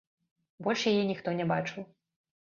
Больш яе ніхто не бачыў.